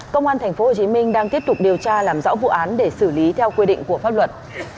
công an tp hcm đang tiếp tục điều tra làm rõ vụ án để xử lý theo quy định của pháp luật